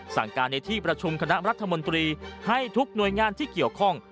สั่งการในที่ประชุมคณะรัฐมนตรีให้ทุกหน่วยงานที่เกี่ยวข้อง